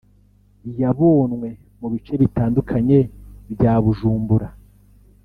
yabonwe mu bice bitandukanye bya Bujumbura